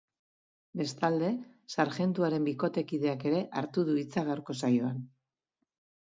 Bestalde, sarjentuaren bikotekideak ere hartu du hitza gaurko saioan.